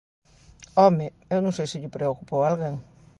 ¡Home!, eu non sei se lle preocupou a alguén.